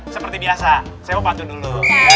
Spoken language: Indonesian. seperti biasa saya mau pacu dulu